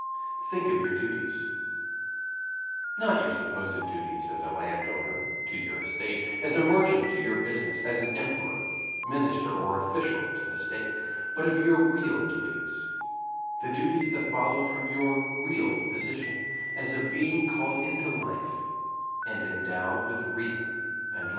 Think of your duties not your supposed duties as a landowner to your estate, as a merchant to your business, as emperor, minister, or official to the state, but of your real duties, the duties that follow from your real position as a being called into life and endowed with reason and love.